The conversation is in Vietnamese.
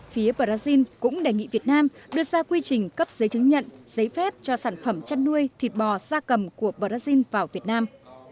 phía brazil cũng đề nghị việt nam đưa ra quy trình cấp giấy chứng nhận giấy phép cho sản phẩm chăn nuôi thịt bò xa cầm của brazil vào việt nam